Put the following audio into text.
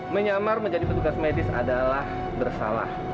menyamar menjadi petugas medis adalah bersalah